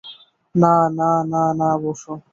না, না, না, না, বসো।